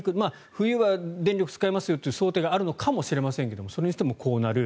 冬は電力を使うという想定があるのかもしれませんがそれにしてもこうなる。